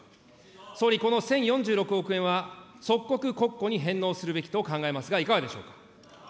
総理、この１０４６億円は即刻国庫に返納するべきと考えますが、いかがでしょうか。